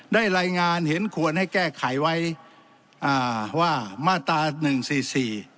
ได้รายงานเห็นควรให้แก้ไขไว้อ่าว่ามาตราหนึ่งสี่สี่